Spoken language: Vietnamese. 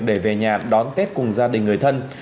để về nhà đón tết cùng gia đình người thân